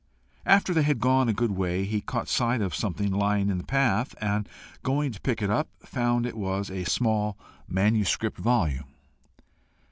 After they had gone a good way, he caught sight of something lying in the path, and going to pick it up, found it was a small manuscript volume.